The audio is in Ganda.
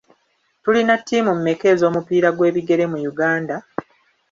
Tulina ttiimu mmeka ez'omupiira gw'ebigere mu Uganda?